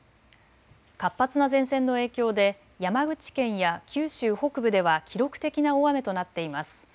活発な前線の影響で山口県や九州北部では記録的な大雨となっています。